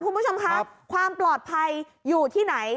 คุณผู้ชมครับความปลอดภัยอยู่ที่ไหน